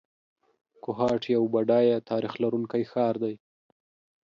کوهاټ یو بډایه تاریخ لرونکی ښار دی.